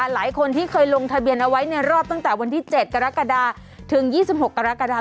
หลายคนที่เคยลงทะเบียนเอาไว้ในรอบตั้งแต่วันที่๗กรกฎาถึง๒๖กรกฎา